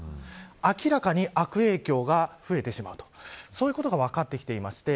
明らかに悪影響が増えてしまうとそういうことが分かってきていまして